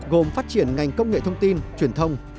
gồm phát triển ngành công nghệ thông tin truyền thông